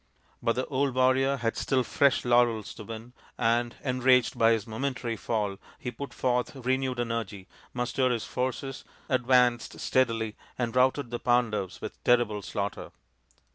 But the old warrior had still fresh laurels to win, and, enraged by his momentary fall, he put forth renewed energy, mustered his forces, advanced steadily, and routed the Pandavs with terrible slaughter.